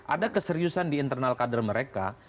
ada keseriusan di internal kader mereka